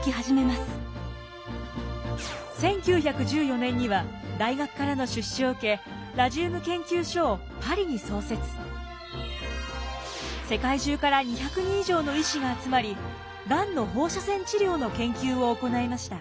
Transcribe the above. １９１４年には大学からの出資を受け世界中から２００人以上の医師が集まりがんの放射線治療の研究を行いました。